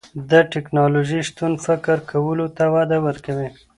د تکنالوژۍ شتون فکر کولو ته وده ورکوي.